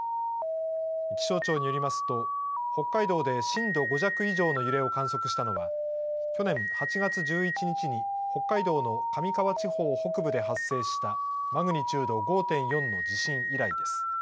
気象庁によりますと、北海道で震度５弱以上の揺れを観測したのは、去年８月１１日に北海道の上川地方北部で発生したマグニチュード５．４の地震以来です。